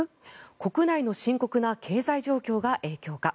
国内の深刻な経済状況が影響か？